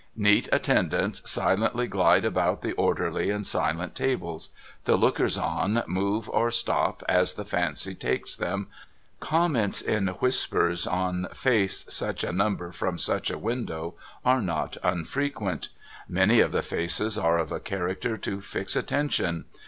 Neat atten dants silently glide about the orderly and silent tables ; the lookers on move or stop as the fancy takes them ; comments in whispers on face such a number from such a window are not unfrequent ; many of the faces are of a character to fix attention.